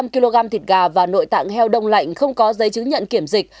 năm trăm linh kg thịt gà và nội tạng heo đông lạnh không có giấy chứng nhận kiểm dịch